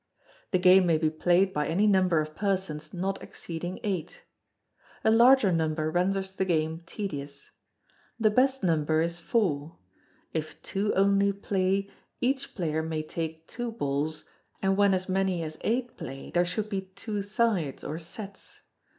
The game may be played by any number of persons not exceeding eight. A larger number renders the game tedious. The best number is four. If two only piay, each player may take two balls, and when as many as eight play, there should be two sides or sets.